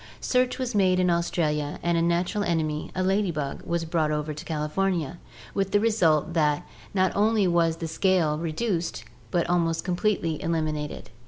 Search was made in Australia, and a natural enemy, a lady bug, was brought over to California, with the result that not only was the scale reduced but almost completely eliminated.